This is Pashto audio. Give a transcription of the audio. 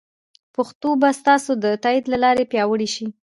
پښتو به ستاسو د تایید له لارې پیاوړې شي.